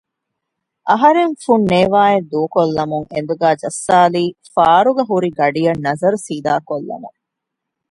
އަހަރެން ފުންނޭވާއެއް ދޫކޮށްލަމުން އެނދުގައި ޖައްސާލީ ފާރުގައި ހުރި ގަޑިއަށް ނަޒަރު ސީދާކޮށްލަމުން